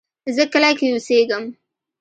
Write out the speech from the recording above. زه کلی کې اوسیږم